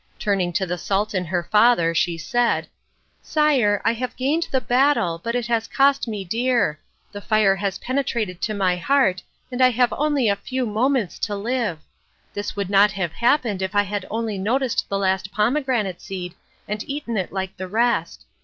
Turning to the Sultan, her father, she said, "Sire, I have gained the battle, but it has cost me dear. The fire has penetrated to my heart, and I have only a few moments to live. This would not have happened if I had only noticed the last pomegranate seed and eaten it like the rest.